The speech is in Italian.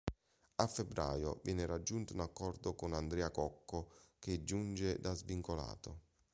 A febbraio, viene raggiunto un accordo con Andrea Cocco che giunge da svincolato.